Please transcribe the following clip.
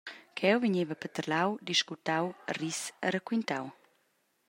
Cheu vegneva paterlau, discutau, ris e raquintau.